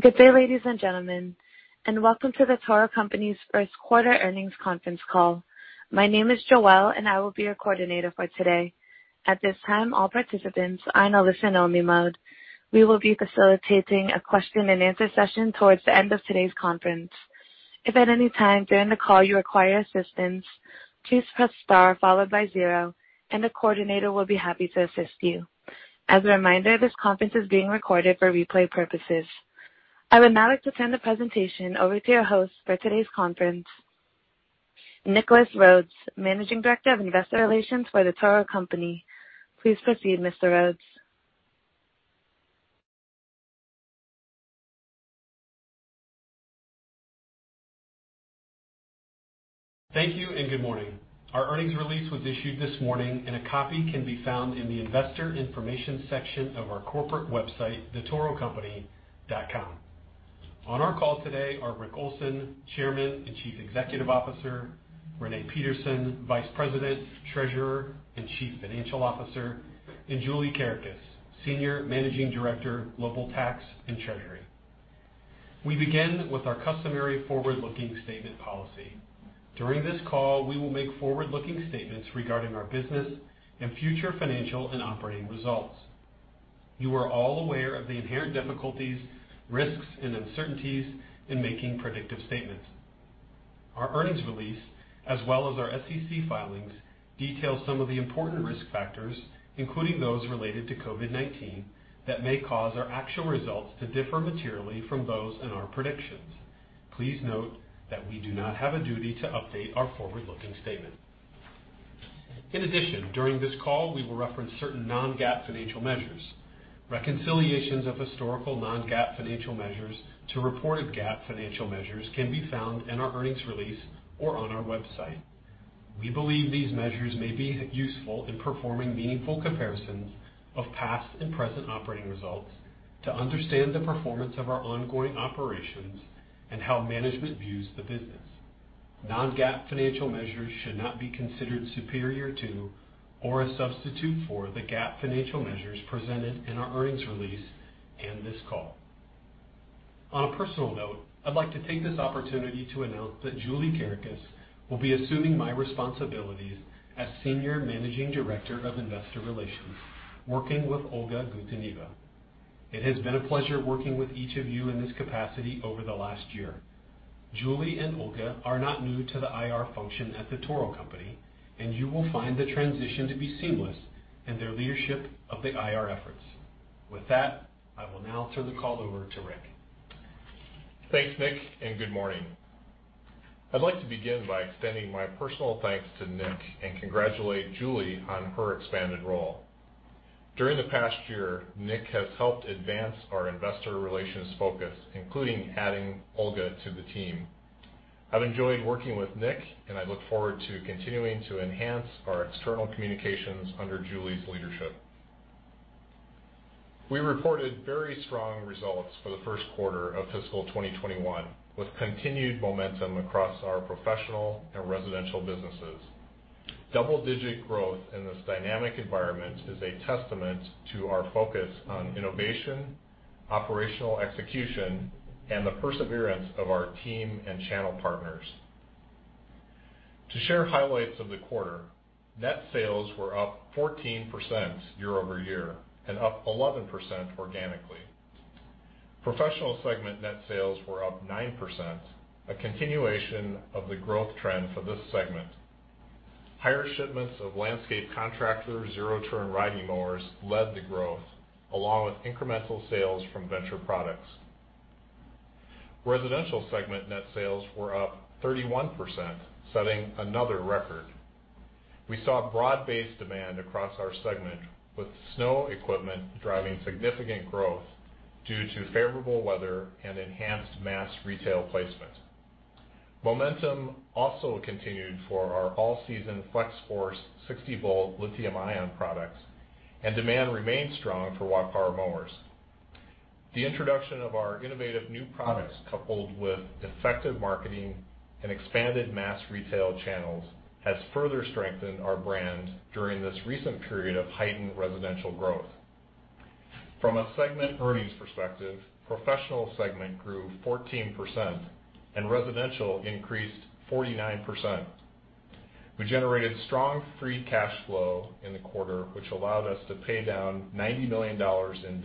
Good day, ladies and gentlemen, welcome to The Toro Company's first quarter earnings conference call. My name is Joelle, and I will be your coordinator for today. At this time, all participants are in a listen-only mode. We will be facilitating a question-and-answer session towards the end of today's conference. If at any time during the call you require assistance, please press star followed by zero, and a coordinator will be happy to assist you. As a reminder, this conference is being recorded for replay purposes. I would now like to turn the presentation over to your host for today's conference, Nicholas Rhoads, Managing Director of Investor Relations for The Toro Company. Please proceed, Mr. Rhoads. Thank you. Good morning. Our earnings release was issued this morning. A copy can be found in the Investor Information section of our corporate website, thetorocompany.com. On our call today are Rick Olson, Chairman and Chief Executive Officer, Renee Peterson, Vice President, Treasurer, and Chief Financial Officer, and Julie Kerekes, Senior Managing Director, Global Tax and Treasury. We begin with our customary forward-looking statement policy. During this call, we will make forward-looking statements regarding our business and future financial and operating results. You are all aware of the inherent difficulties, risks, and uncertainties in making predictive statements. Our earnings release, as well as our SEC filings, detail some of the important risk factors, including those related to COVID-19, that may cause our actual results to differ materially from those in our predictions. Please note that we do not have a duty to update our forward-looking statements. In addition, during this call, we will reference certain non-GAAP financial measures. Reconciliations of historical non-GAAP financial measures to reported GAAP financial measures can be found in our earnings release or on our website. We believe these measures may be useful in performing meaningful comparisons of past and present operating results to understand the performance of our ongoing operations and how management views the business. Non-GAAP financial measures should not be considered superior to or a substitute for the GAAP financial measures presented in our earnings release and this call. On a personal note, I'd like to take this opportunity to announce that Julie Kerekes will be assuming my responsibilities as Senior Managing Director of Investor Relations, working with Olga Guteneva. It has been a pleasure working with each of you in this capacity over the last year. Julie and Olga are not new to the IR function at The Toro Company, and you will find the transition to be seamless in their leadership of the IR efforts. With that, I will now turn the call over to Rick. Thanks, Nick. Good morning. I'd like to begin by extending my personal thanks to Nick and congratulate Julie on her expanded role. During the past year, Nick has helped advance our investor relations focus, including adding Olga to the team. I've enjoyed working with Nick, and I look forward to continuing to enhance our external communications under Julie's leadership. We reported very strong results for the first quarter of fiscal 2021, with continued momentum across our Professional and Residential businesses. Double-digit growth in this dynamic environment is a testament to our focus on innovation, operational execution, and the perseverance of our team and channel partners. To share highlights of the quarter, net sales were up 14% year-over-year and up 11% organically. Professional Segment net sales were up 9%, a continuation of the growth trend for this segment. Higher shipments of landscape contractor zero-turn riding mowers led the growth, along with incremental sales from Venture Products. Residential Segment net sales were up 31%, setting another record. We saw broad-based demand across our segment, with snow equipment driving significant growth due to favorable weather and enhanced mass retail placement. Momentum also continued for our all-season Flex-Force 60-volt lithium-ion products, and demand remained strong for walk power mowers. The introduction of our innovative new products, coupled with effective marketing and expanded mass retail channels, has further strengthened our brand during this recent period of heightened residential growth. From a segment earnings perspective, Professional Segment grew 14% and Residential increased 49%. We generated strong free cash flow in the quarter, which allowed us to pay down $90 million in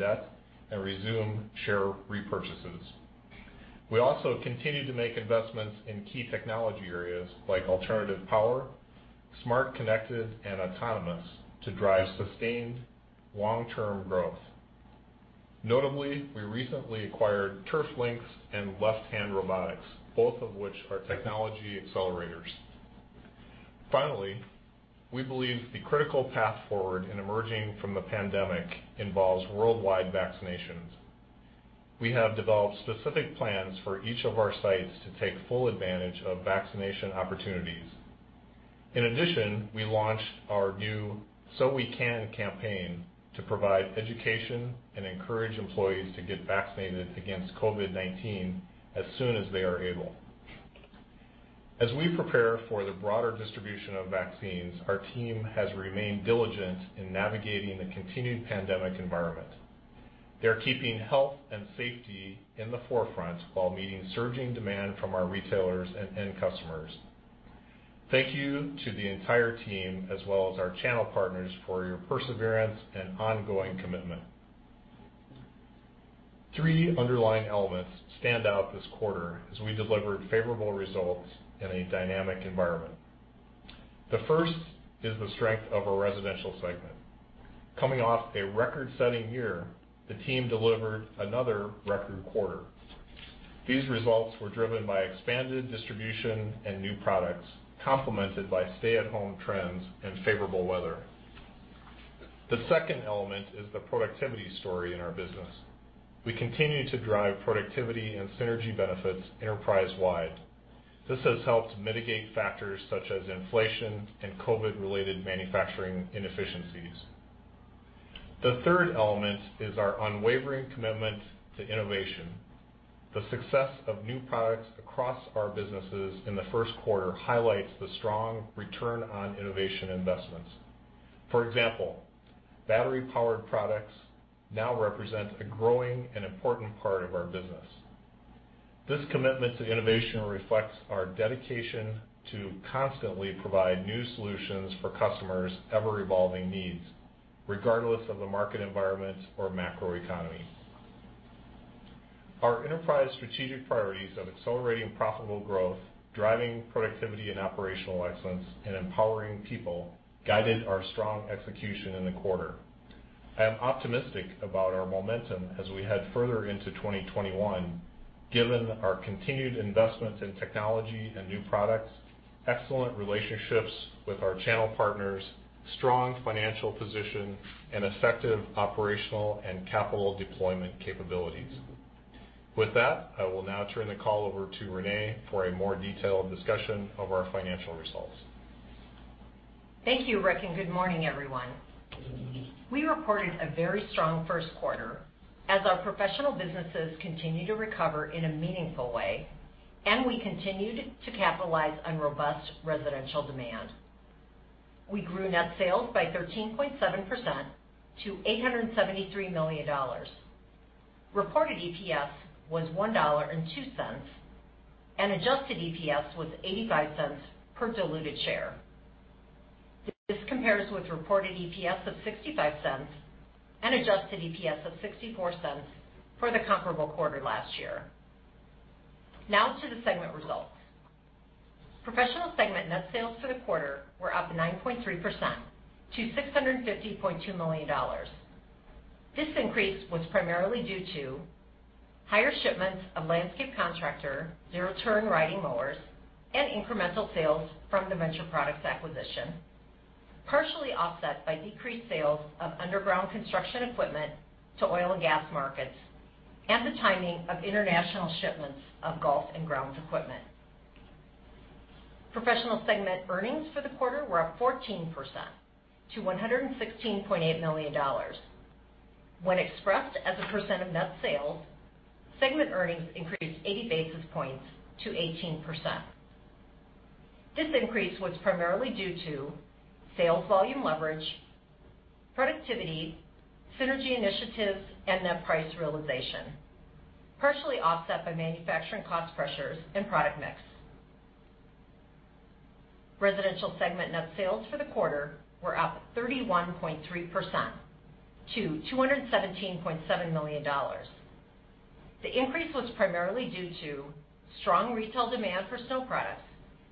debt and resume share repurchases. We also continued to make investments in key technology areas like alternative power, smart, connected, and autonomous to drive sustained long-term growth. Notably, we recently acquired TURFLYNX and Left Hand Robotics, both of which are technology accelerators. Finally, we believe the critical path forward in emerging from the pandemic involves worldwide vaccinations. We have developed specific plans for each of our sites to take full advantage of vaccination opportunities. In addition, we launched our new So We Can campaign to provide education and encourage employees to get vaccinated against COVID-19 as soon as they are able. As we prepare for the broader distribution of vaccines, our team has remained diligent in navigating the continuing pandemic environment. They're keeping health and safety in the forefront while meeting surging demand from our retailers and end customers. Thank you to the entire team as well as our channel partners for your perseverance and ongoing commitment. Three underlying elements stand out this quarter as we delivered favorable results in a dynamic environment. The first is the strength of our Residential Segment. Coming off a record-setting year, the team delivered another record quarter. These results were driven by expanded distribution and new products, complemented by stay-at-home trends and favorable weather. The second element is the productivity story in our business. We continue to drive productivity and synergy benefits enterprise-wide. This has helped mitigate factors such as inflation and COVID-related manufacturing inefficiencies. The third element is our unwavering commitment to innovation. The success of new products across our businesses in the first quarter highlights the strong return on innovation investments. For example, battery-powered products now represent a growing and important part of our business. This commitment to innovation reflects our dedication to constantly provide new solutions for customers' ever-evolving needs, regardless of the market environment or macroeconomy. Our enterprise strategic priorities of accelerating profitable growth, driving productivity and operational excellence, and empowering people guided our strong execution in the quarter. I am optimistic about our momentum as we head further into 2021, given our continued investment in technology and new products, excellent relationships with our channel partners, strong financial position, and effective operational and capital deployment capabilities. With that, I will now turn the call over to Renee for a more detailed discussion of our financial results. Thank you, Rick. Good morning, everyone. We reported a very strong first quarter as our professional businesses continue to recover in a meaningful way, and we continued to capitalize on robust residential demand. We grew net sales by 13.7% to $873 million. Reported EPS was $1.02, and adjusted EPS was $0.85 per diluted share. This compares with reported EPS of $0.65 and adjusted EPS of $0.64 for the comparable quarter last year. To the segment results. Professional Segment net sales for the quarter were up 9.3% to $650.2 million. This increase was primarily due to higher shipments of landscape contractor, zero-turn riding mowers, and incremental sales from the Venture Products acquisition, partially offset by decreased sales of underground construction equipment to oil and gas markets and the timing of international shipments of golf and grounds equipment. Professional Segment earnings for the quarter were up 14% to $116.8 million. When expressed as a percent of net sales, segment earnings increased 80 basis points to 18%. This increase was primarily due to sales volume leverage, productivity, synergy initiatives, and net price realization, partially offset by manufacturing cost pressures and product mix. Residential segment net sales for the quarter were up 31.3% to $217.7 million. The increase was primarily due to strong retail demand for snow products,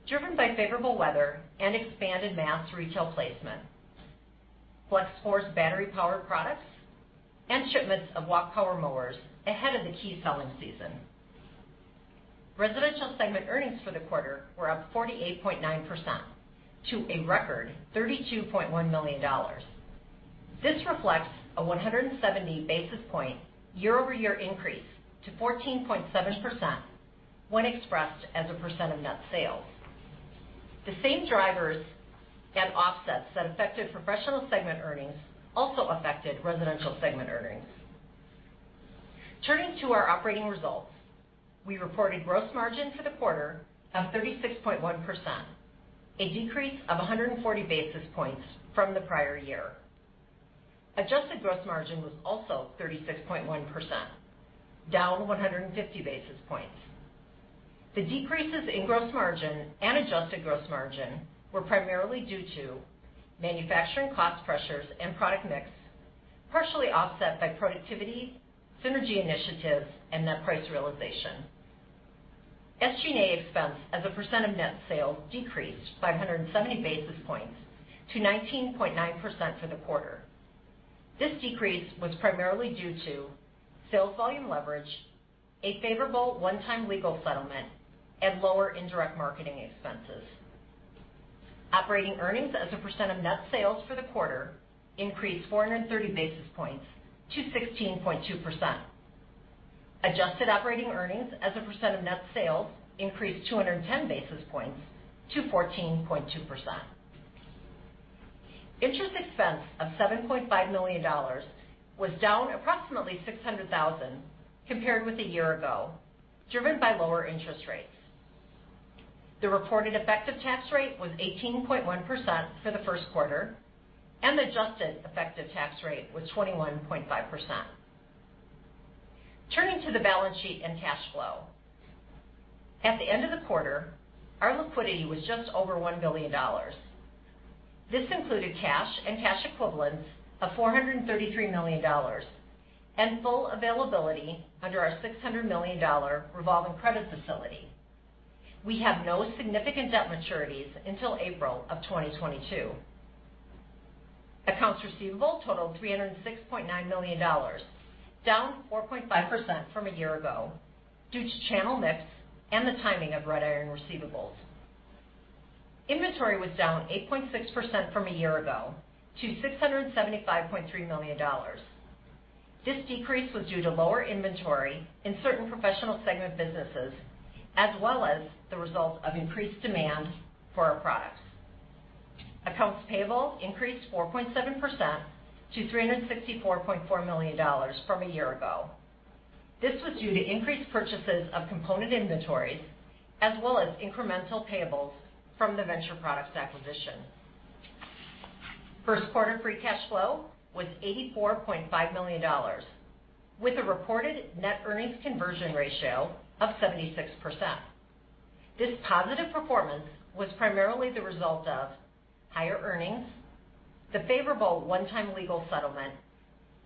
driven by favorable weather and expanded mass retail placement, Flex-Force battery-powered products, and shipments of walk power mowers ahead of the key selling season. Residential Segment earnings for the quarter were up 48.9% to a record $32.1 million. This reflects a 170 basis point year-over-year increase to 14.7% when expressed as a percent of net sales. The same drivers and offsets that affected Professional Segment earnings also affected Residential Segment earnings. Turning to our operating results, we reported gross margin for the quarter of 36.1%, a decrease of 140 basis points from the prior year. Adjusted gross margin was also 36.1%, down 150 basis points. The decreases in gross margin and adjusted gross margin were primarily due to manufacturing cost pressures and product mix, partially offset by productivity, synergy initiatives, and net price realization. SG&A expense as a percent of net sales decreased by 170 basis points to 19.9% for the quarter. This decrease was primarily due to sales volume leverage, a favorable one-time legal settlement, and lower indirect marketing expenses. Operating earnings as a percent of net sales for the quarter increased 430 basis points to 16.2%. Adjusted operating earnings as a percent of net sales increased 210 basis points to 14.2%. Interest expense of $7.5 million was down approximately $600,000 compared with a year ago, driven by lower interest rates. The reported effective tax rate was 18.1% for the first quarter, and the adjusted effective tax rate was 21.5%. Turning to the balance sheet and cash flow. At the end of the quarter, our liquidity was just over $1 billion. This included cash and cash equivalents of $433 million and full availability under our $600 million revolving credit facility. We have no significant debt maturities until April of 2022. Accounts receivable totaled $306.9 million, down 4.5% from a year ago due to channel mix and the timing of Red Iron receivables. Inventory was down 8.6% from a year ago to $675.3 million. This decrease was due to lower inventory in certain Professional Segment businesses, as well as the result of increased demand for our products. Accounts payable increased 4.7% to $364.4 million from a year ago. This was due to increased purchases of component inventories as well as incremental payables from the Venture Products acquisition. First quarter free cash flow was $84.5 million with a reported net earnings conversion ratio of 76%. This positive performance was primarily the result of higher earnings, the favorable one-time legal settlement,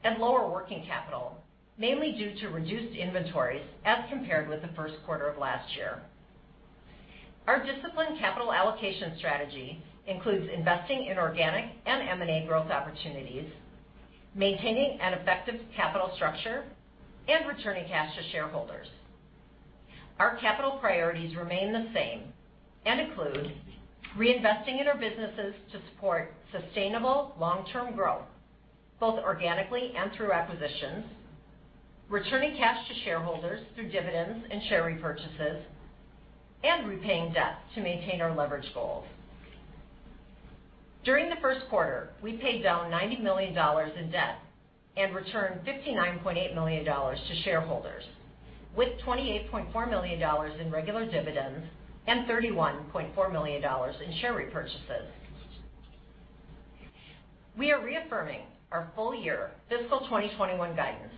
and lower working capital, mainly due to reduced inventories as compared with the first quarter of last year. Our disciplined capital allocation strategy includes investing in organic and M&A growth opportunities, maintaining an effective capital structure, and returning cash to shareholders. Our capital priorities remain the same and include reinvesting in our businesses to support sustainable long-term growth, both organically and through acquisitions, returning cash to shareholders through dividends and share repurchases, and repaying debt to maintain our leverage goals. During the first quarter, we paid down $90 million in debt and returned $59.8 million to shareholders, with $28.4 million in regular dividends and $31.4 million in share repurchases. We are reaffirming our full year fiscal 2021 guidance.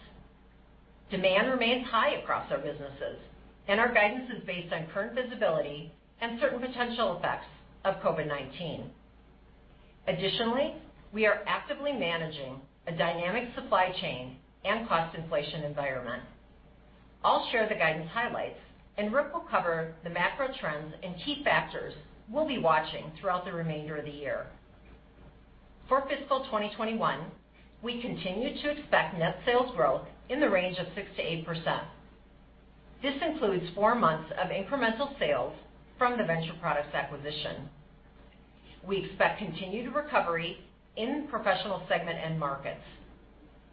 Demand remains high across our businesses, and our guidance is based on current visibility and certain potential effects of COVID-19. Additionally, we are actively managing a dynamic supply chain and cost inflation environment. I'll share the guidance highlights, and Rick will cover the macro trends and key factors we'll be watching throughout the remainder of the year. For fiscal 2021, we continue to expect net sales growth in the range of 6%-8%. This includes four months of incremental sales from the Venture Products acquisition. We expect continued recovery in the professional segment end markets.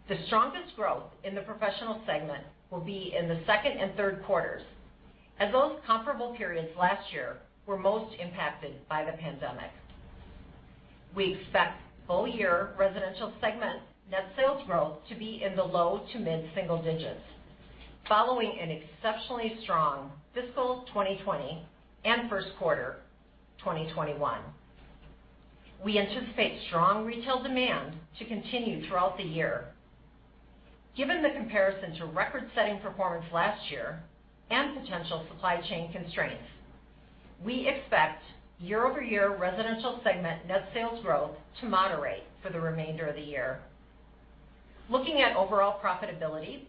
The strongest growth in the professional segment will be in the second and third quarters, as those comparable periods last year were most impacted by the pandemic. We expect full-year Residential Segment net sales growth to be in the low to mid-single digits, following an exceptionally strong fiscal 2020 and first quarter 2021. We anticipate strong retail demand to continue throughout the year. Given the comparison to record-setting performance last year and potential supply chain constraints, we expect year-over-year Residential Segment net sales growth to moderate for the remainder of the year. Looking at overall profitability,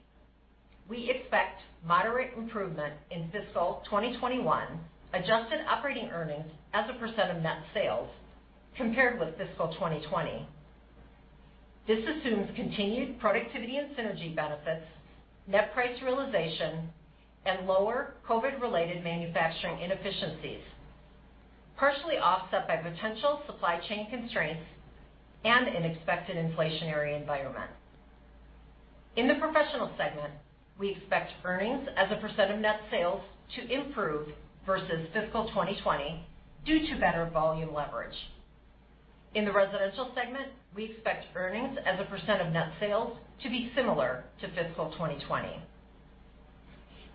we expect moderate improvement in fiscal 2021, adjusted operating earnings as a percent of net sales compared with fiscal 2020. This assumes continued productivity and synergy benefits, net price realization, and lower COVID-related manufacturing inefficiencies, partially offset by potential supply chain constraints and an expected inflationary environment. In the Professional Segment, we expect earnings as a percent of net sales to improve versus fiscal 2020 due to better volume leverage. In the Residential Segment, we expect earnings as a % of net sales to be similar to fiscal 2020.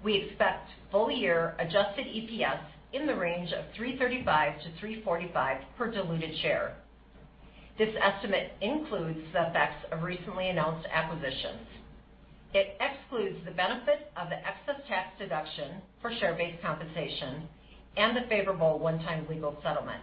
We expect full-year adjusted EPS in the range of $3.35-$3.45 per diluted share. This estimate includes the effects of recently announced acquisitions. It excludes the benefit of the excess tax deduction for share-based compensation and the favorable one-time legal settlement.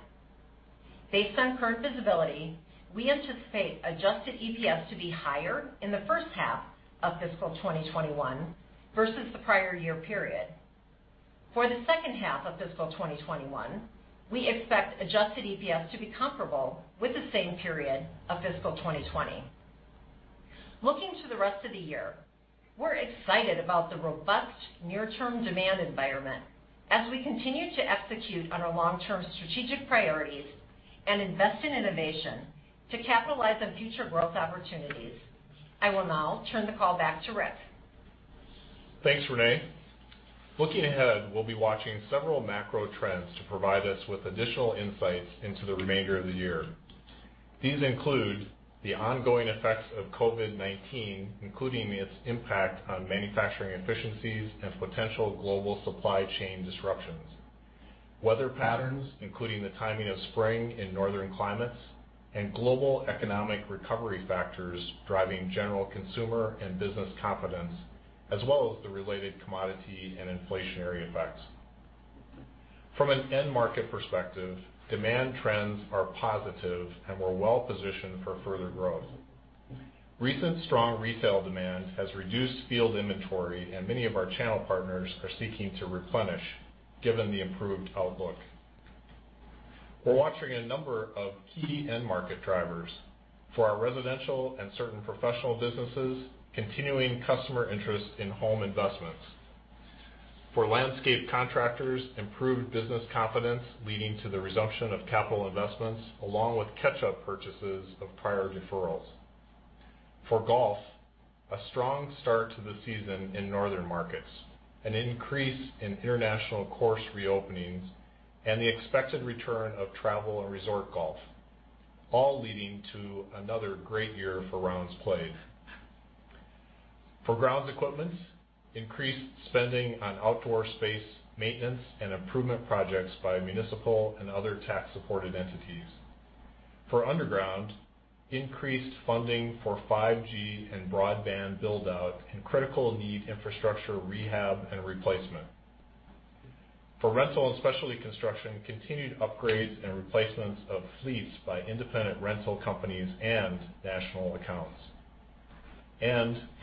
Based on current visibility, we anticipate adjusted EPS to be higher in the first half of fiscal 2021 versus the prior year period. For the second half of fiscal 2021, we expect adjusted EPS to be comparable with the same period of fiscal 2020. Looking to the rest of the year, we're excited about the robust near-term demand environment as we continue to execute on our long-term strategic priorities and invest in innovation to capitalize on future growth opportunities. I will now turn the call back to Rick. Thanks, Renee. Looking ahead, we'll be watching several macro trends to provide us with additional insights into the remainder of the year. These include the ongoing effects of COVID-19, including its impact on manufacturing efficiencies and potential global supply chain disruptions, weather patterns, including the timing of spring in northern climates, and global economic recovery factors driving general consumer and business confidence, as well as the related commodity and inflationary effects. From an end-market perspective, demand trends are positive, and we're well-positioned for further growth. Recent strong retail demand has reduced field inventory, and many of our channel partners are seeking to replenish, given the improved outlook. We're watching a number of key end-market drivers. For our residential and certain professional businesses, continuing customer interest in home investments. For landscape contractors, improved business confidence leading to the resumption of capital investments, along with catch-up purchases of prior deferrals. For golf, a strong start to the season in northern markets, an increase in international course reopenings, and the expected return of travel and resort golf, all leading to another great year for rounds played. For grounds equipment, increased spending on outdoor space maintenance and improvement projects by municipal and other tax-supported entities. For underground, increased funding for 5G and broadband build-out and critical need infrastructure rehab and replacement. For rental and specialty construction, continued upgrades and replacements of fleets by independent rental companies and national accounts.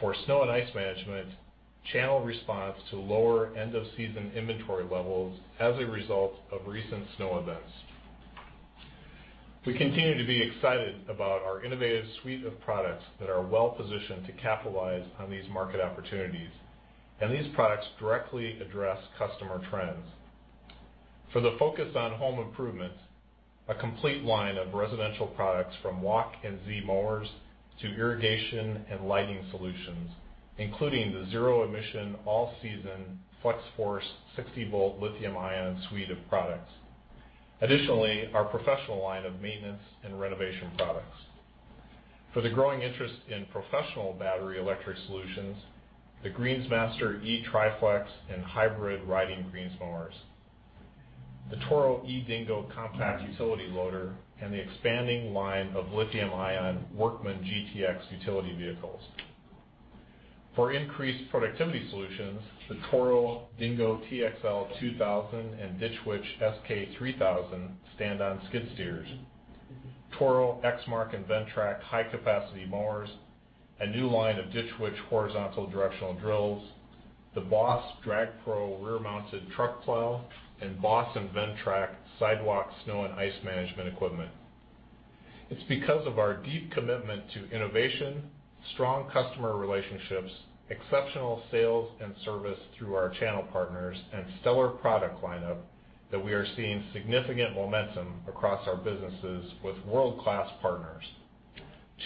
For snow and ice management, channel response to lower end-of-season inventory levels as a result of recent snow events. We continue to be excited about our innovative suite of products that are well-positioned to capitalize on these market opportunities, and these products directly address customer trends. For the focus on home improvements, a complete line of residential products from walk and Z mowers to irrigation and lighting solutions, including the zero-emission, all-season Flex-Force 60-volt lithium-ion suite of products. Additionally, our professional line of maintenance and renovation products. For the growing interest in professional battery electric solutions, the Greensmaster eTriflex and hybrid riding greens mowers, the Toro eDingo compact utility loader, and the expanding line of lithium-ion Workman GTX utility vehicles. For increased productivity solutions, the Toro Dingo TXL 2000 and Ditch Witch SK3000 stand-on skid steers, Toro Exmark and Ventrac high-capacity mowers, a new line of Ditch Witch horizontal directional drills, the BOSS Drag Pro rear-mounted truck plow, and BOSS and Ventrac sidewalk snow and ice management equipment. It's because of our deep commitment to innovation, strong customer relationships, exceptional sales and service through our channel partners, and stellar product lineup that we are seeing significant momentum across our businesses with world-class partners.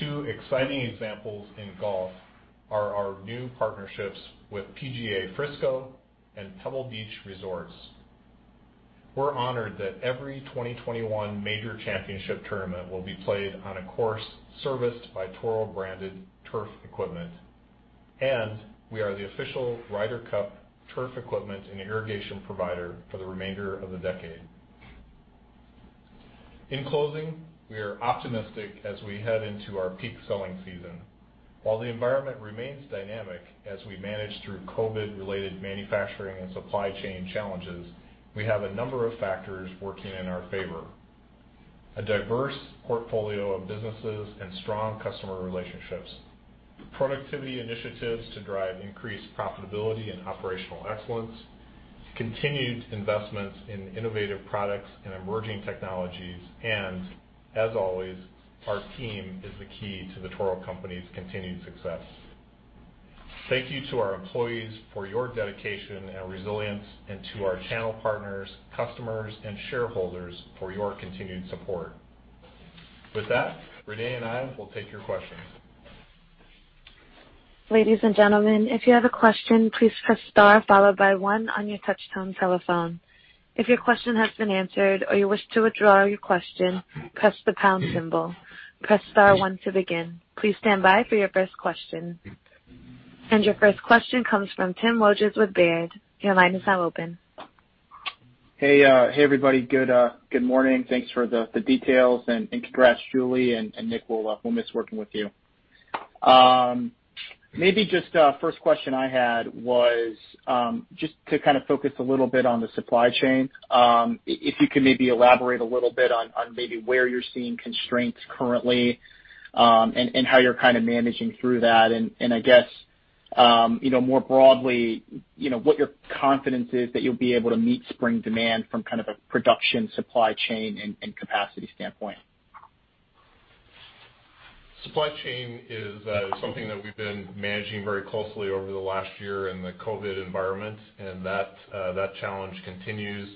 Two exciting examples in golf are our new partnerships with PGA Frisco and Pebble Beach Resorts. We're honored that every 2021 major championship tournament will be played on a course serviced by Toro-branded turf equipment, and we are the official Ryder Cup turf equipment and irrigation provider for the remainder of the decade. In closing, we are optimistic as we head into our peak selling season. While the environment remains dynamic as we manage through COVID-related manufacturing and supply chain challenges, we have a number of factors working in our favor. A diverse portfolio of businesses and strong customer relationships, productivity initiatives to drive increased profitability and operational excellence, continued investments in innovative products and emerging technologies, and, as always, our team is the key to The Toro Company's continued success. Thank you to our employees for your dedication and resilience and to our channel partners, customers, and shareholders for your continued support. With that, Renee and I will take your questions. Ladies and gentlemen, if you have a question, please press star followed by one on your touchtone telephone. If your question has been answered or you wish to withdraw your question, press the pound symbol. Press star one to begin. Please stand by for your first question. And your first question comes from Tim Wojs with Baird. Your line is now open. Hey, everybody. Good morning. Thanks for the details, and congrats, Julie and Nick. We'll miss working with you. Maybe just first question I had was, just to kind of focus a little bit on the supply chain, if you could maybe elaborate a little bit on maybe where you're seeing constraints currently, and how you're kind of managing through that and, I guess, more broadly, what your confidence is that you'll be able to meet spring demand from kind of a production supply chain and capacity standpoint? Supply chain is something that we've been managing very closely over the last year in the COVID environment, and that challenge continues.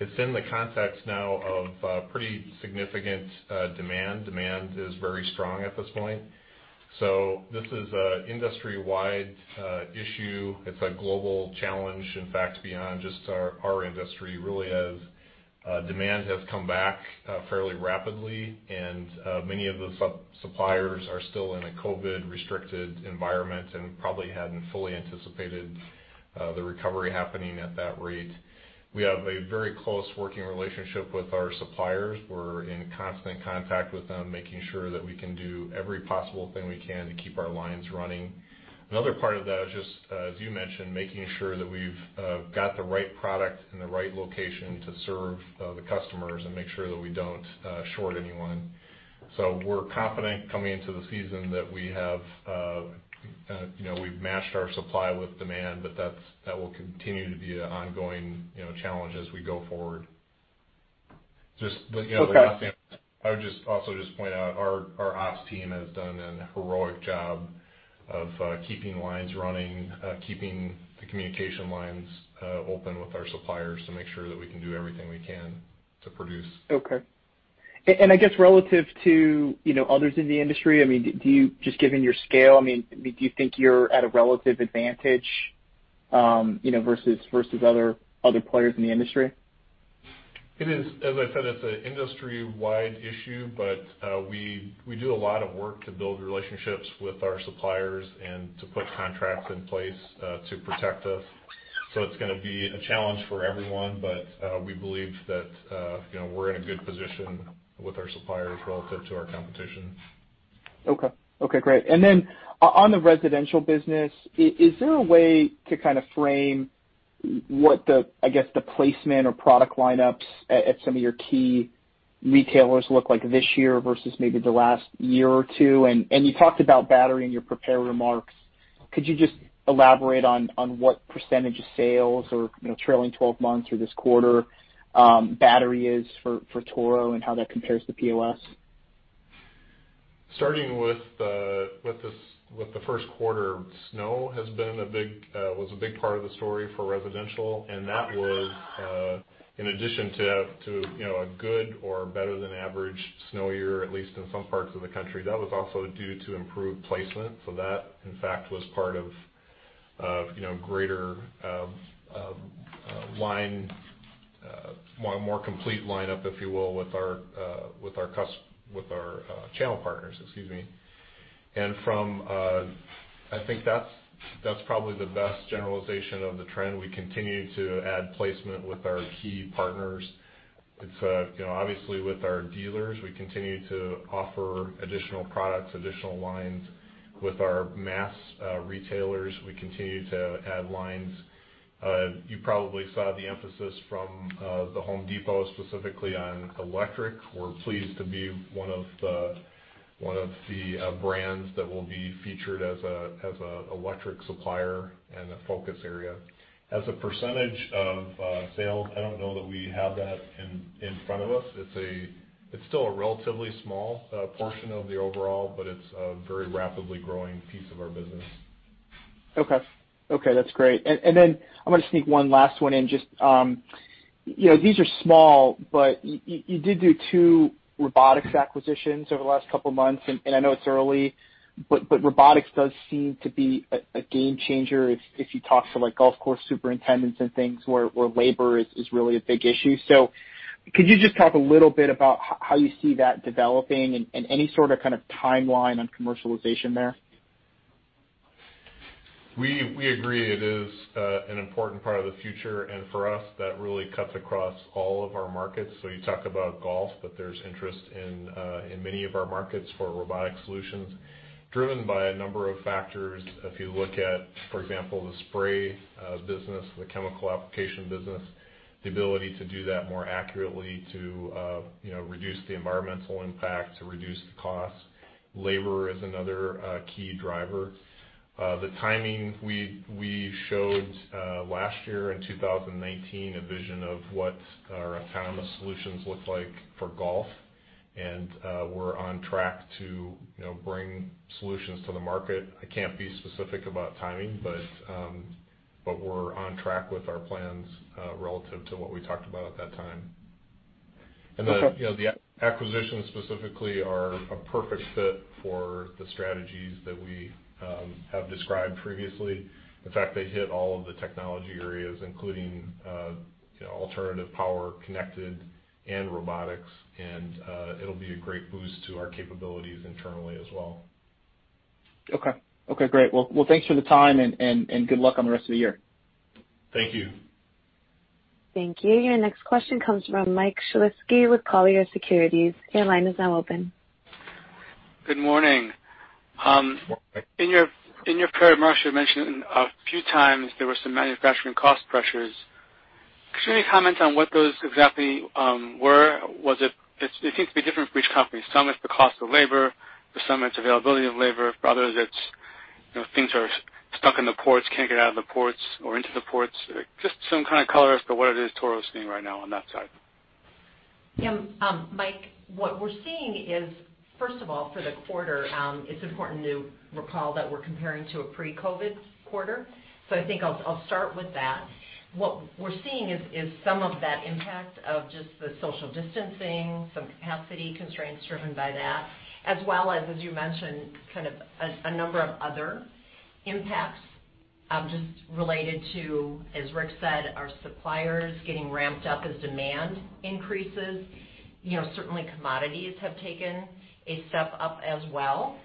It's in the context now of pretty significant demand. Demand is very strong at this point. This is an industry-wide issue. It's a global challenge, in fact, beyond just our industry, really, as demand has come back fairly rapidly, and many of the suppliers are still in a COVID-restricted environment and probably hadn't fully anticipated the recovery happening at that rate. We have a very close working relationship with our suppliers. We're in constant contact with them, making sure that we can do every possible thing we can to keep our lines running. Another part of that is just, as you mentioned, making sure that we've got the right product in the right location to serve the customers and make sure that we don't short anyone. We're confident coming into the season that we've matched our supply with demand, but that will continue to be an ongoing challenge as we go forward. Okay. I would just also just point out, our ops team has done an heroic job of keeping lines running, keeping the communication lines open with our suppliers to make sure that we can do everything we can to produce. Okay. I guess relative to others in the industry, just given your scale, do you think you're at a relative advantage versus other players in the industry? It is. As I said, it's an industry-wide issue, but we do a lot of work to build relationships with our suppliers and to put contracts in place to protect us. It's gonna be a challenge for everyone, but we believe that we're in a good position with our suppliers relative to our competition. Okay. Great. On the residential business, is there a way to frame what the, I guess, the placement or product lineups at some of your key retailers look like this year versus maybe the last year or two? You talked about battery in your prepared remarks. Could you just elaborate on what percentage of sales or trailing 12 months or this quarter battery is for Toro and how that compares to POS? Starting with the first quarter, snow was a big part of the story for residential, and that was in addition to a good or better than average snow year, at least in some parts of the country. That was also due to improved placement. That, in fact, was part of greater more complete lineup, if you will, with our channel partners, excuse me. I think that's probably the best generalization of the trend. We continue to add placement with our key partners. Obviously, with our dealers, we continue to offer additional products, additional lines. With our mass retailers, we continue to add lines. You probably saw the emphasis from The Home Depot, specifically on electric. We're pleased to be one of the brands that will be featured as an electric supplier and a focus area. As a percentage of sales, I don't know that we have that in front of us. It's still a relatively small portion of the overall, but it's a very rapidly growing piece of our business. Okay. That's great. I'm gonna sneak one last one in. These are small, but you did do two robotics acquisitions over the last couple of months, and I know it's early, but robotics does seem to be a game changer if you talk to golf course superintendents and things, where labor is really a big issue. Could you just talk a little bit about how you see that developing and any sort of timeline on commercialization there? We agree. It is an important part of the future, and for us, that really cuts across all of our markets. You talk about golf, but there's interest in many of our markets for robotic solutions, driven by a number of factors. If you look at, for example, the spray business, the chemical application business, the ability to do that more accurately to reduce the environmental impact, to reduce the cost. Labor is another key driver. The timing, we showed last year in 2019, a vision of what our autonomous solutions look like for golf, and we're on track to bring solutions to the market. I can't be specific about timing, but we're on track with our plans relative to what we talked about at that time. Okay. The acquisitions specifically are a perfect fit for the strategies that we have described previously. In fact, they hit all of the technology areas, including alternative power, connected, and robotics, and it'll be a great boost to our capabilities internally as well. Okay. Great. Well, thanks for the time, and good luck on the rest of the year. Thank you. Thank you. Your next question comes from Mike Shlisky with Colliers Securities. Your line is now open. Good morning. In your prepared remarks, you mentioned a few times there were some manufacturing cost pressures. Could you maybe comment on what those exactly were? It seems to be different for each company. Some, it's the cost of labor, for some, it's availability of labor. For others it's things are stuck in the ports, can't get out of the ports or into the ports. Just some kind of color as to what it is Toro's seeing right now on that side. Mike, what we're seeing is, first of all, for the quarter, it's important to recall that we're comparing to a pre-COVID quarter. I think I'll start with that. What we're seeing is some of that impact of just the social distancing, some capacity constraints driven by that, as well as you mentioned, a number of other impacts just related to, as Rick said, our suppliers getting ramped up as demand increases. Certainly, commodities have taken a step up as well.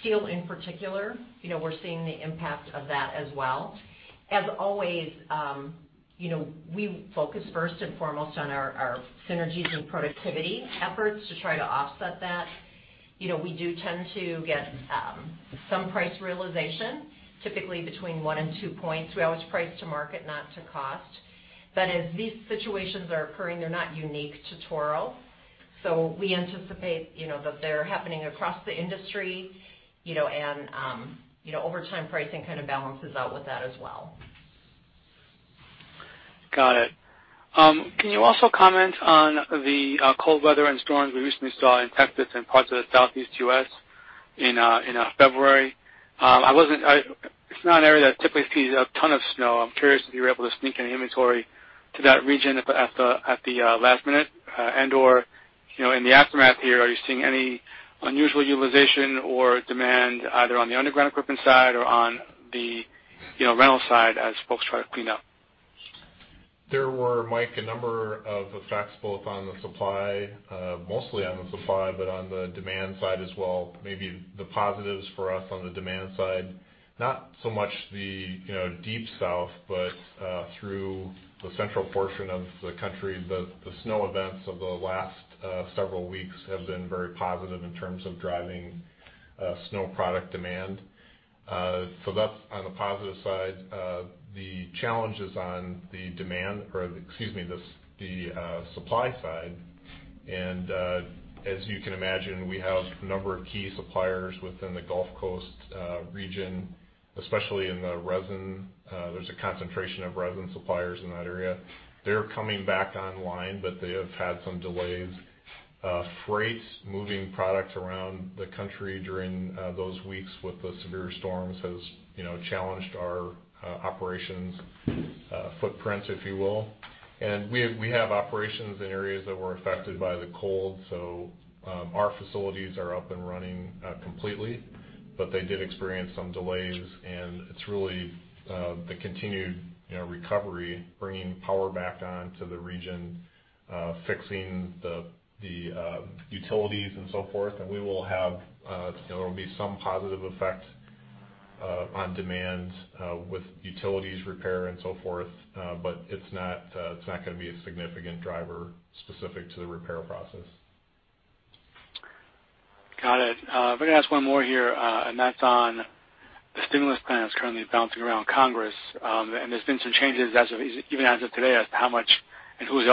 Steel in particular, we're seeing the impact of that as well. As always, we focus first and foremost on our synergies and productivity efforts to try to offset that. We do tend to get some price realization, typically between one and two points. We always price to market, not to cost. As these situations are occurring, they're not unique to Toro. We anticipate that they're happening across the industry, and over time pricing kind of balances out with that as well. Got it. Can you also comment on the cold weather and storms we recently saw in Texas and parts of the Southeast U.S. in February? It's not an area that typically sees a ton of snow. I'm curious if you were able to sneak any inventory to that region at the last minute, and/or, in the aftermath here, are you seeing any unusual utilization or demand either on the underground equipment side or on the rental side as folks try to clean up? There were, Mike, a number of effects, both on the supply, mostly on the supply, but on the demand side as well. Maybe the positives for us on the demand side, not so much the Deep South, but through the central portion of the country. The snow events of the last several weeks have been very positive in terms of driving snow product demand. That's on the positive side. The challenges on the supply side. As you can imagine, we have a number of key suppliers within the Gulf Coast region, especially in the resin. There's a concentration of resin suppliers in that area. They're coming back online, but they have had some delays. Freight, moving product around the country during those weeks with the severe storms has challenged our operations footprint, if you will. We have operations in areas that were affected by the cold. Our facilities are up and running completely, but they did experience some delays, and it's really the continued recovery, bringing power back on to the region, fixing the utilities and so forth. There will be some positive effect on demand with utilities repair and so forth. It's not going to be a significant driver specific to the repair process. Got it. If I could ask one more here, and that's on the stimulus plan that's currently bouncing around Congress. There's been some changes even as of today, as to how much and who's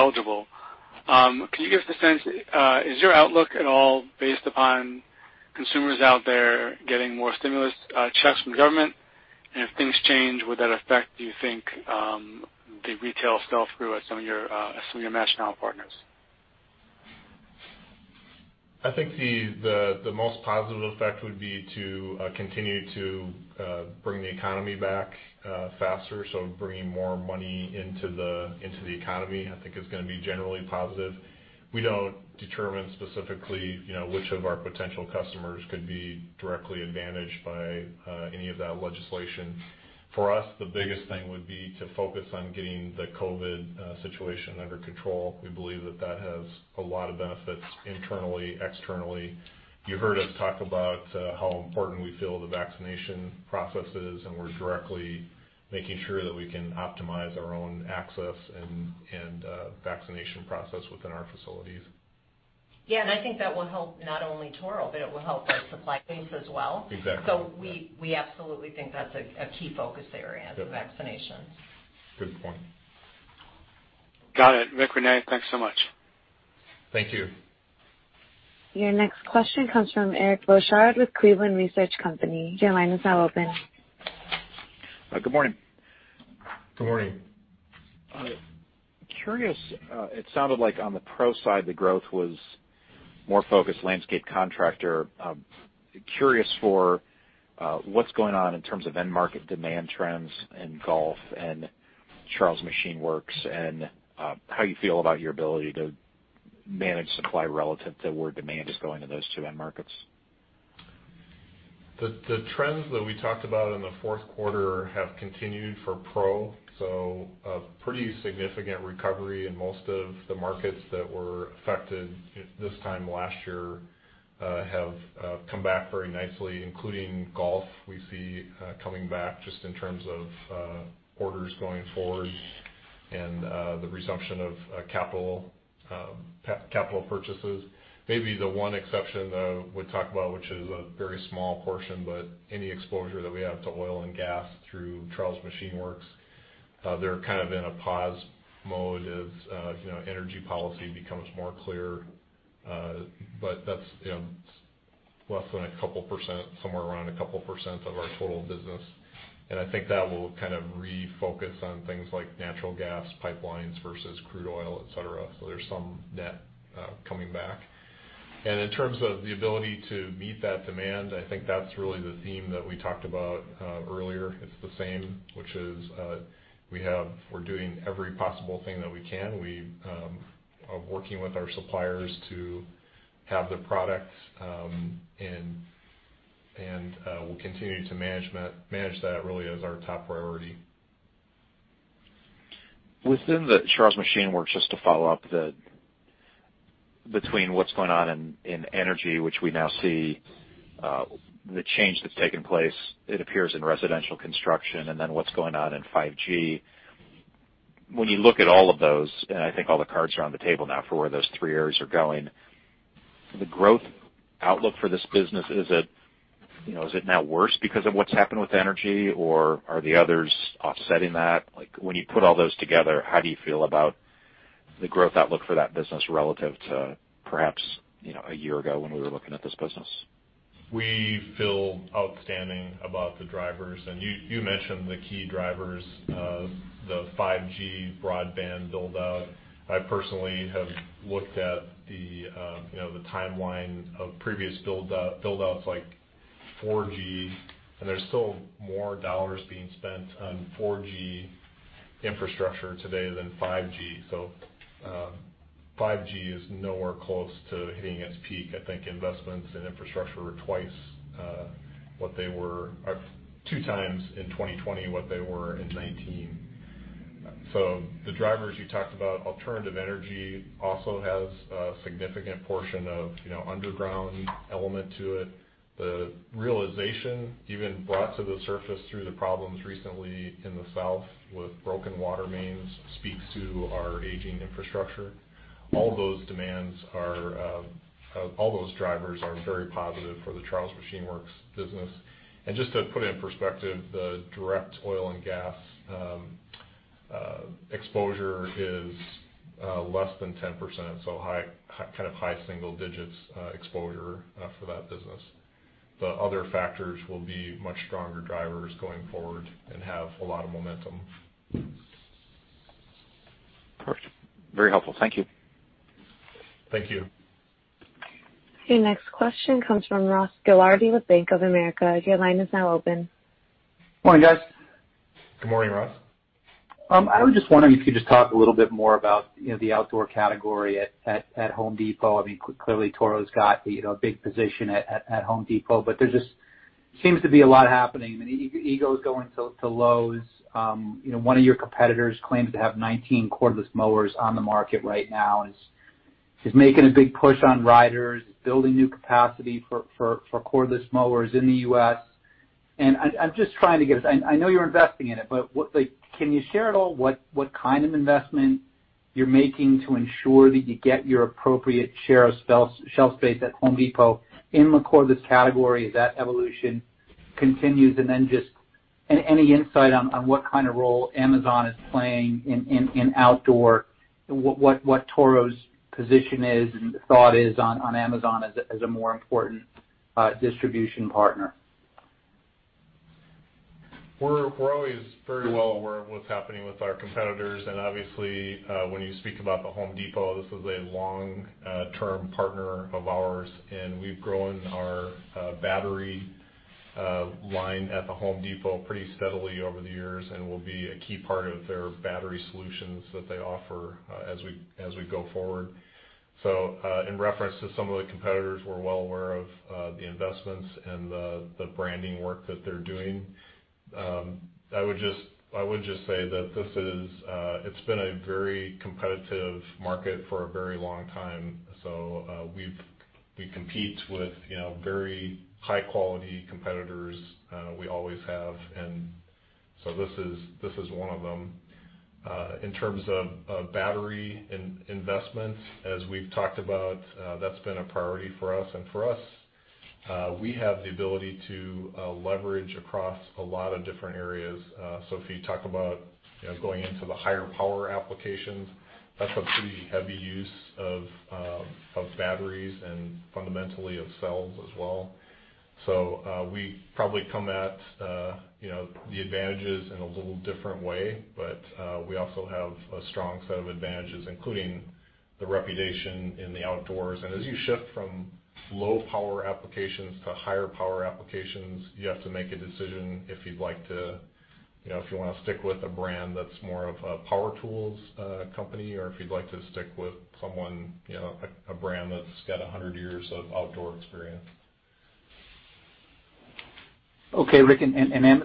eligible. Can you give us a sense, is your outlook at all based upon consumers out there getting more stimulus checks from government? If things change, would that affect, do you think, the retail sell-through at some of your match now partners? I think the most positive effect would be to continue to bring the economy back faster. Bringing more money into the economy, I think is gonna be generally positive. We don't determine specifically which of our potential customers could be directly advantaged by any of that legislation. For us, the biggest thing would be to focus on getting the COVID situation under control. We believe that that has a lot of benefits internally, externally. You heard us talk about how important we feel the vaccination process is, and we're directly making sure that we can optimize our own access and vaccination process within our facilities. Yeah, I think that will help not only Toro, but it will help our suppliers as well. Exactly. We absolutely think that's a key focus area- Yep the vaccination. Good point. Got it. Rick, Renee, thanks so much. Thank you. Your next question comes from Eric Bosshard with Cleveland Research Company. Your line is now open. Good morning. Good morning. Curious, it sounded like on the Pro side, the growth was more focused landscape contractor. Curious for what's going on in terms of end market demand trends in golf and Charles Machine Works, and how you feel about your ability to manage supply relative to where demand is going in those two end markets? The trends that we talked about in the fourth quarter have continued for Pro. A pretty significant recovery in most of the markets that were affected this time last year have come back very nicely, including golf we see coming back just in terms of orders going forward and the resumption of capital purchases. Maybe the one exception I would talk about, which is a very small portion, but any exposure that we have to oil and gas through Charles Machine Works, they're kind of in a pause mode as energy policy becomes more clear. That's less than a couple percent, somewhere around a couple percent of our total business. I think that will kind of refocus on things like natural gas pipelines versus crude oil, et cetera. There's some net coming back. In terms of the ability to meet that demand, I think that's really the theme that we talked about earlier the same, which is we're doing every possible thing that we can. We are working with our suppliers to have the product, and we'll continue to manage that really as our top priority. Within the Charles Machine Works, just to follow up, between what's going on in energy, which we now see the change that's taken place, it appears in residential construction, and then what's going on in 5G. When you look at all of those, and I think all the cards are on the table now for where those three areas are going, the growth outlook for this business, is it now worse because of what's happened with energy, or are the others offsetting that? Like, when you put all those together, how do you feel about the growth outlook for that business relative to perhaps a year ago when we were looking at this business? We feel outstanding about the drivers. You mentioned the key drivers of the 5G broadband build-out. I personally have looked at the timeline of previous build-outs, like 4G, and there's still more dollars being spent on 4G infrastructure today than 5G. 5G is nowhere close to hitting its peak. I think investments in infrastructure are two times in 2020 what they were in 2019. The drivers you talked about, alternative energy also has a significant portion of underground element to it. The realization even brought to the surface through the problems recently in the South with broken water mains speaks to our aging infrastructure. All those drivers are very positive for the Charles Machine Works business. Just to put it in perspective, the direct oil and gas exposure is less than 10%, so kind of high single digits exposure for that business. The other factors will be much stronger drivers going forward and have a lot of momentum. Perfect. Very helpful. Thank you. Thank you. Your next question comes from Ross Gilardi with Bank of America. Your line is now open. Morning, guys. Good morning, Ross. I was just wondering if you could just talk a little bit more about the outdoor category at Home Depot. Clearly Toro's got a big position at Home Depot, but there just seems to be a lot happening. EGO's going to Lowe's. One of your competitors claims to have 19 cordless mowers on the market right now and is making a big push on riders, is building new capacity for cordless mowers in the U.S. I'm just trying to I know you're investing in it, but can you share at all what kind of investment you're making to ensure that you get your appropriate share of shelf space at Home Depot in the cordless category as that evolution continues? Just any insight on what kind of role Amazon is playing in outdoor, what Toro's position is, and the thought is on Amazon as a more important distribution partner? We're always very well aware of what's happening with our competitors, and obviously, when you speak about The Home Depot, this is a long-term partner of ours, and we've grown our battery line at The Home Depot pretty steadily over the years and will be a key part of their battery solutions that they offer as we go forward. In reference to some of the competitors, we're well aware of the investments and the branding work that they're doing. I would just say that it's been a very competitive market for a very long time. We compete with very high-quality competitors. We always have. This is one of them. In terms of battery investments, as we've talked about, that's been a priority for us. For us, we have the ability to leverage across a lot of different areas. If you talk about going into the higher power applications, that's a pretty heavy use of batteries and fundamentally of cells as well. We probably come at the advantages in a little different way, but we also have a strong set of advantages, including the reputation in the outdoors. As you shift from low-power applications to higher power applications, you have to make a decision if you want to stick with a brand that's more of a power tools company or if you'd like to stick with a brand that's got 100 years of outdoor experience. Okay, Rick,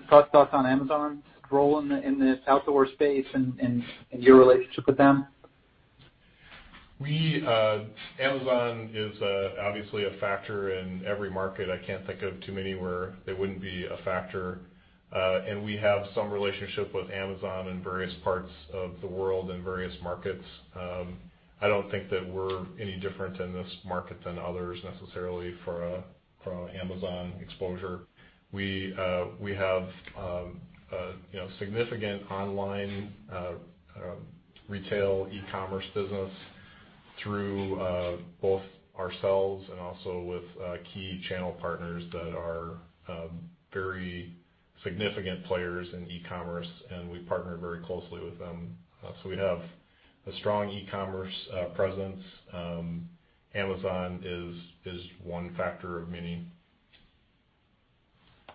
thoughts on Amazon's role in this outdoor space and your relationship with them? Amazon is obviously a factor in every market. I can't think of too many where they wouldn't be a factor. We have some relationship with Amazon in various parts of the world, in various markets. I don't think that we're any different in this market than others necessarily from Amazon exposure. We have significant online retail e-commerce business through both ourselves and also with key channel partners that are very significant players in e-commerce, and we partner very closely with them. We have a strong e-commerce presence. Amazon is one factor of many.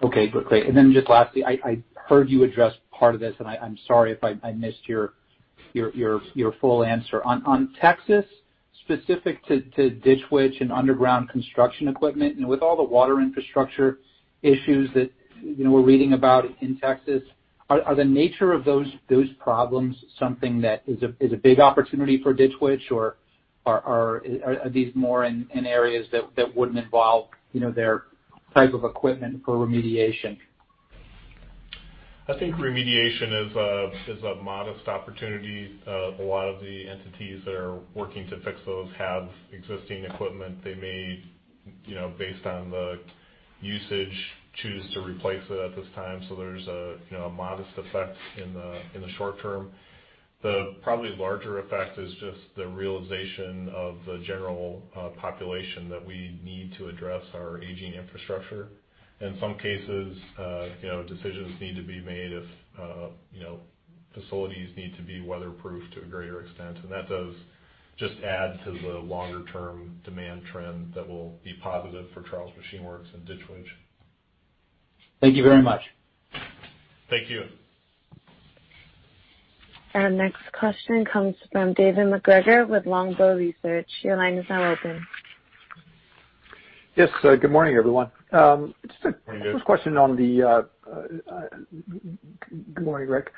Okay, great. Then just lastly, I heard you address part of this, and I'm sorry if I missed your full answer. On Texas, specific to Ditch Witch and underground construction equipment, and with all the water infrastructure issues that we're reading about in Texas, are the nature of those problems something that is a big opportunity for Ditch Witch? Are these more in areas that wouldn't involve their type of equipment for remediation? I think remediation is a modest opportunity. A lot of the entities that are working to fix those have existing equipment. They may, based on the usage, choose to replace it at this time. There's a modest effect in the short term. The probably larger effect is just the realization of the general population that we need to address our aging infrastructure. In some cases, decisions need to be made if facilities need to be weatherproofed to a greater extent. That does just add to the longer-term demand trend that will be positive for Charles Machine Works and Ditch Witch. Thank you very much. Thank you. Our next question comes from David MacGregor with Longbow Research. Your line is now open. Yes. Good morning, everyone. Morning, Dave. Just a quick question. Good morning, Rick.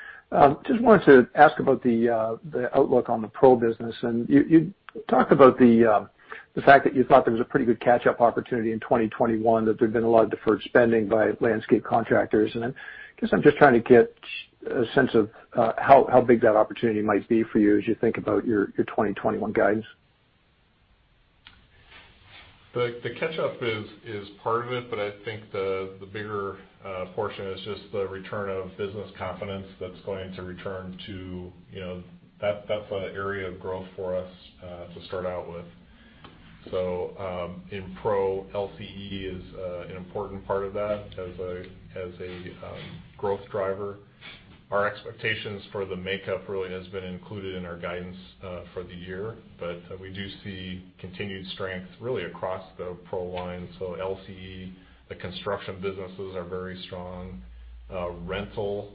Just wanted to ask about the outlook on the Pro business. I guess I'm just trying to get a sense of how big that opportunity might be for you as you think about your 2021 guidance. The catch-up is part of it, but I think the bigger portion is just the return of business confidence that's going to return to. That's an area of growth for us to start out with. In Pro LCE is an important part of that as a growth driver. Our expectations for the makeup really has been included in our guidance for the year. We do see continued strength really across the Pro line. LCE, the construction businesses are very strong. Rental.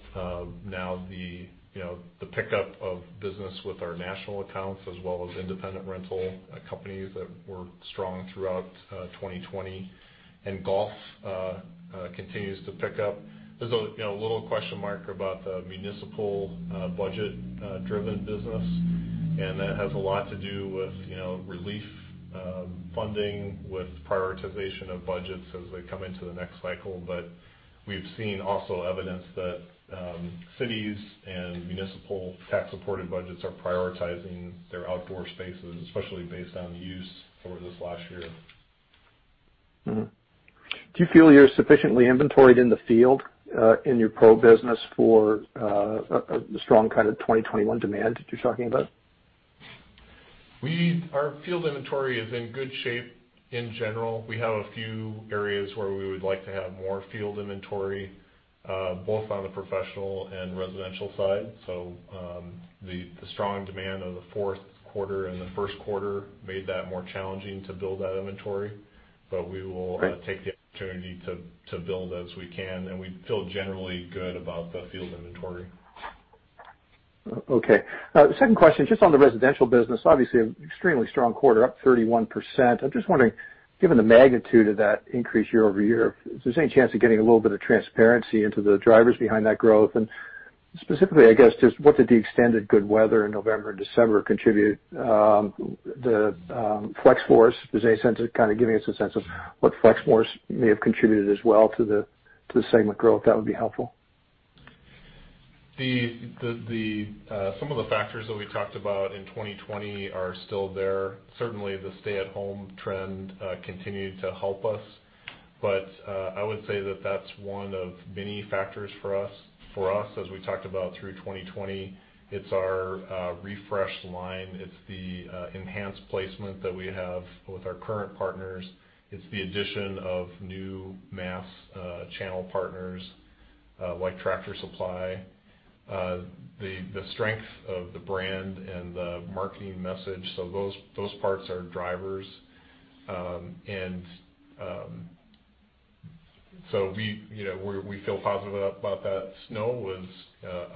Now the pickup of business with our national accounts as well as independent rental companies that were strong throughout 2020. Golf continues to pick up. There's a little question mark about the municipal budget-driven business. That has a lot to do with relief funding, with prioritization of budgets as they come into the next cycle. We've seen also evidence that cities and municipal tax-supported budgets are prioritizing their outdoor spaces, especially based on use over this last year. Do you feel you're sufficiently inventoried in the field in your Pro business for the strong kind of 2021 demand that you're talking about? Our field inventory is in good shape in general. We have a few areas where we would like to have more field inventory, both on the professional and residential side. The strong demand of the fourth quarter and the first quarter made that more challenging to build that inventory. We will- Right. Take the opportunity to build as we can, and we feel generally good about the field inventory. Okay. Second question, just on the residential business. Obviously, an extremely strong quarter, up 31%. I'm just wondering, given the magnitude of that increase year-over-year, if there's any chance of getting a little bit of transparency into the drivers behind that growth, and specifically, I guess, just what did the extended good weather in November and December contribute? The Flex-Force, is there any sense of kind of giving us a sense of what Flex-Force may have contributed as well to the segment growth? That would be helpful. Some of the factors that we talked about in 2020 are still there. Certainly, the stay-at-home trend continued to help us. I would say that that's one of many factors for us. As we talked about through 2020, it's our refreshed line. It's the enhanced placement that we have with our current partners. It's the addition of new mass channel partners like Tractor Supply. The strength of the brand and the marketing message. Those parts are drivers. We feel positive about that. Snow was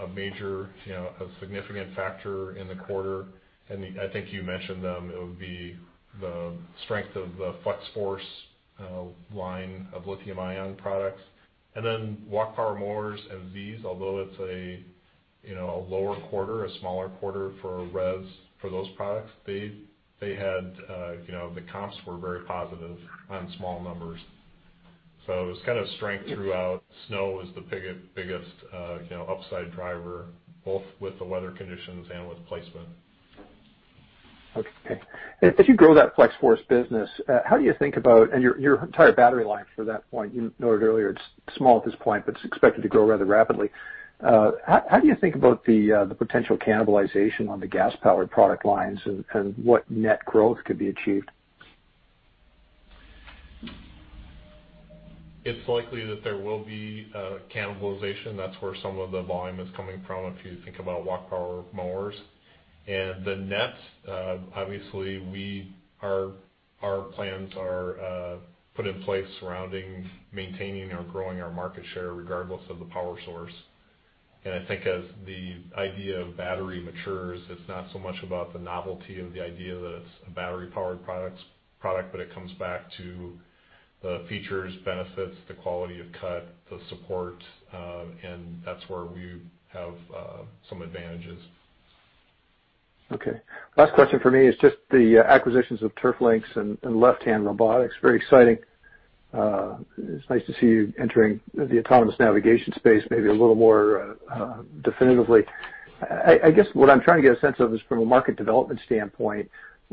a major, a significant factor in the quarter. I think you mentioned them. It would be the strength of the Flex Force line of lithium-ion products. Walk power mowers and Zs, although it's a lower quarter, a smaller quarter for res for those products. The comps were very positive on small numbers. It was kind of strength throughout. Snow was the biggest upside driver, both with the weather conditions and with placement. As you grow that Flex-Force business, how do you think about your entire battery line for that point. You noted earlier, it's small at this point, but it's expected to grow rather rapidly. How do you think about the potential cannibalization on the gas-powered product lines and what net growth could be achieved? It's likely that there will be cannibalization. That's where some of the volume is coming from if you think about walk power mowers. The net, obviously, our plans are put in place surrounding maintaining or growing our market share regardless of the power source. I think as the idea of battery matures, it's not so much about the novelty of the idea that it's a battery-powered product, but it comes back to the features, benefits, the quality of cut, the support, and that's where we have some advantages. Okay. Last question from me is just the acquisitions of TURFLYNX and Left Hand Robotics, very exciting. It's nice to see you entering the autonomous navigation space, maybe a little more definitively. I guess what I'm trying to get a sense of is from a market development standpoint,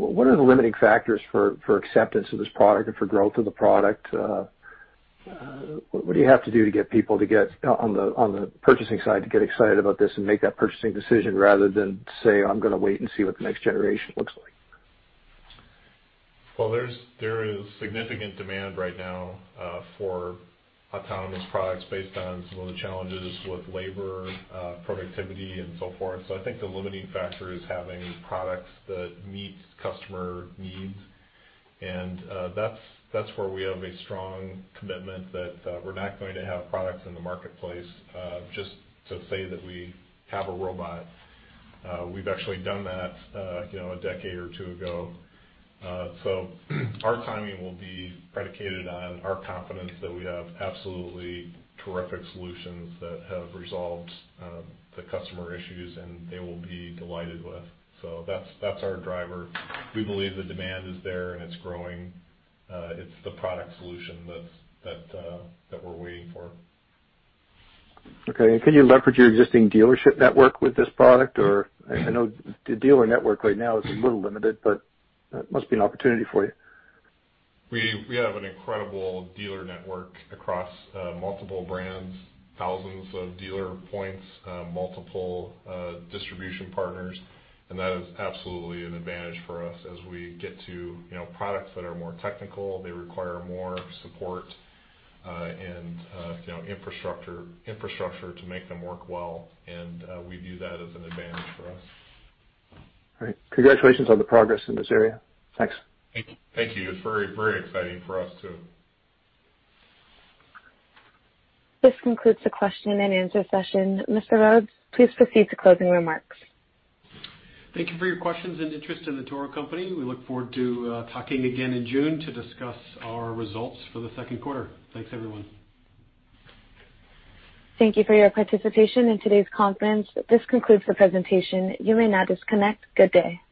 what are the limiting factors for acceptance of this product and for growth of the product? What do you have to do to get people to get on the purchasing side to get excited about this and make that purchasing decision rather than say, "I'm going to wait and see what the next generation looks like? Well, there is significant demand right now for autonomous products based on some of the challenges with labor, productivity, and so forth. I think the limiting factor is having products that meet customer needs. That's where we have a strong commitment that we're not going to have products in the marketplace just to say that we have a robot. We've actually done that a decade or two ago. Our timing will be predicated on our confidence that we have absolutely terrific solutions that have resolved the customer issues and they will be delighted with. That's our driver. We believe the demand is there and it's growing. It's the product solution that we're waiting for. Okay. Can you leverage your existing dealership network with this product? I know the dealer network right now is a little limited, but it must be an opportunity for you. We have an incredible dealer network across multiple brands, thousands of dealer points, multiple distribution partners, and that is absolutely an advantage for us as we get to products that are more technical, they require more support and infrastructure to make them work well, and we view that as an advantage for us. Great. Congratulations on the progress in this area. Thanks. Thank you. It's very exciting for us, too. This concludes the question and answer session. Mr. Rhoads, please proceed to closing remarks. Thank you for your questions and interest in The Toro Company. We look forward to talking again in June to discuss our results for the second quarter. Thanks, everyone. Thank you for your participation in today's conference. This concludes the presentation. You may now disconnect. Good day.